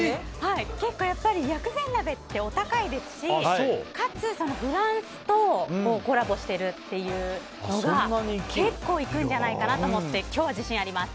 結構、薬膳鍋ってお高いですしかつ、フランスとコラボしているっていうのが結構いくんじゃないかなと思って今日は自信あります！